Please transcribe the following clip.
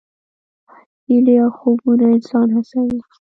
هیلې او خوبونه انسان هڅوي.